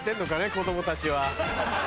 子供たちは。